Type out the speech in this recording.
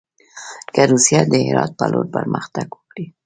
که روسیه د هرات پر لور پرمختګ وکړي.